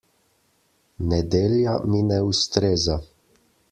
Nedelja mi ne ustreza.